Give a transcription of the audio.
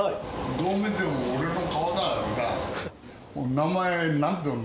どう見ても俺の顔だよな。